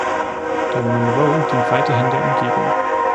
Der „Munro“ dient weiterhin in der Umgebung.